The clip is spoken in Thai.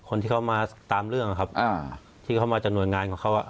คนที่เขามาตามเรื่องนะครับอ่าที่เขามาจากหน่วยงานของเขา